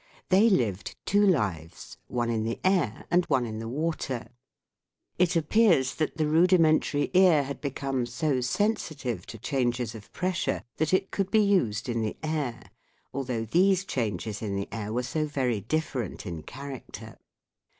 They lived two lives : one in the air, and one in the water. It appears that the rudimentary ear had become so sensitive to changes of pressure that it could be used in the air, although these changes in the air were so very different in character.